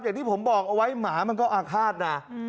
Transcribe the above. อย่างที่ผมบอกเอาไว้หมามันก็อาฆาตนะ